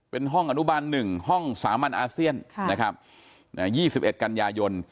เป็นห้องอนุบันหนึ่งห้องสามัญอาเซียนค่ะนะครับน่ะยี่สิบเอ็ดกันยายน